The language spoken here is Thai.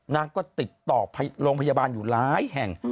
นางก็ติดต่อโรงพยาบาลอยู่หลายแห่ง